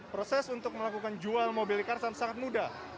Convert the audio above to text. proses untuk melakukan jual mobil di karsan sangat mudah